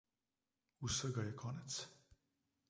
Vsega je konec.